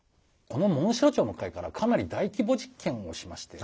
このモンシロチョウの回からかなり大規模実験をしまして。